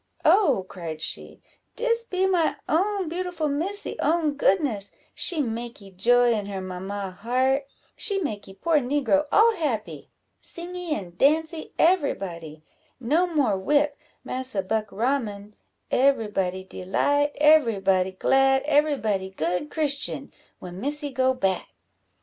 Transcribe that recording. "Oh," cried she, "dis be my own beautiful Missy own goodness; she makee joy in her mamma heart; she makee poor negro all happy singee and dancee every body; no more whip, massa Buckraman every body delight every body glad every body good Christian, when Missy go back!"